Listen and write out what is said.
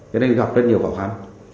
cho nên gặp rất nhiều bảo khán